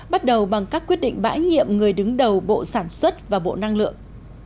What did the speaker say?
bắt đầu bằng các quyết định bãi nhiệm người đứng đầu bộ sản xuất và bộ năng lượng